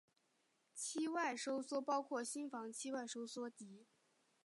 期外收缩包括心房期外收缩及。